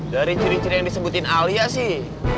dari ciri ciri yang disebutin alia sih